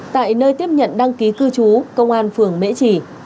tại nơi tiếp nhận đăng ký cư trú công an phường mễ trì